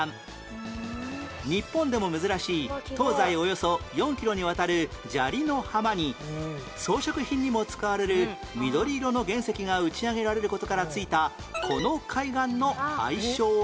日本でも珍しい東西およそ４キロにわたる砂利の浜に装飾品にも使われる緑色の原石が打ち上げられる事から付いたこの海岸の愛称は？